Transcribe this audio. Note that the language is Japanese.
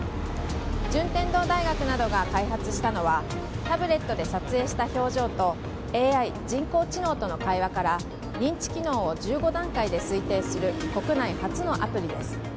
順天堂大学などが開発したのはタブレットで撮影した表情とＡＩ・人工知能との会話から認知機能を１５段階で推定する国内初のアプリです。